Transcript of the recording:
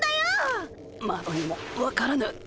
マロにもわからぬ。